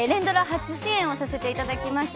初主演をさせていただきます。